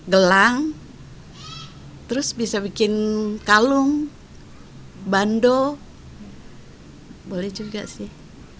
gelang terus bisa bikin kalung bando boleh juga sih